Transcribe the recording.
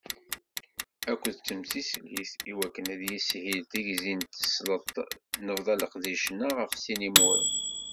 Akked temsislit i wakken ad yishil tegzi n tesleḍt, nebḍa leqdic-nneɣ ɣef sin yimuren.